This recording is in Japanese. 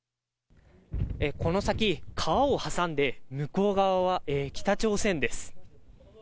この先、川を挟んで、向こう側は北朝鮮です。